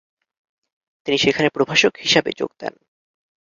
তিনি সেখানে প্রভাষক হিসাবে যোগ দেন।